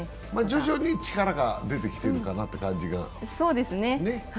徐々に力が出てきているかなという感じがね。